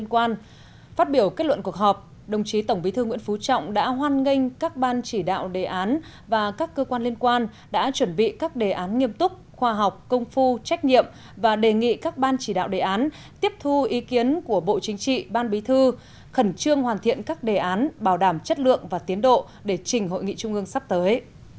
trong cuộc họp đồng chí tổng bí thư nguyễn phú trọng đã hoan nghênh các ban chỉ đạo đề án và các cơ quan liên quan đã chuẩn bị các đề án nghiêm túc khoa học công phu trách nhiệm và đề nghị các ban chỉ đạo đề án tiếp thu ý kiến của bộ chính trị ban bí thư khẩn trương hoàn thiện các đề án bảo đảm chất lượng và tiến độ để trình hội nghị trung ương sắp tới